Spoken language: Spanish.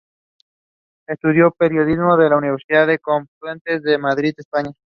Estudió periodismo en la Universidad Complutense de Madrid, España.